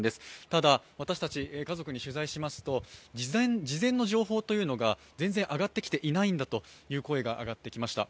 ただ、私たち家族に取材しますと、事前の情報というのが全然上がってきていないんだという声がありました。